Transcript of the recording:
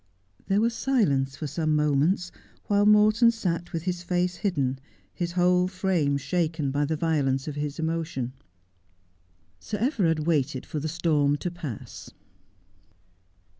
There was silence for some moments, while Morton sat with h:'s face hidden, his whole frame shaken by the violence of his emotion. Sir Everard waited for the storm to pass.